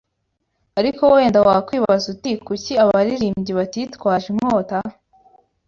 Ariko wenda wakwibaza uti kuki abaririmbyi batitwaje inkota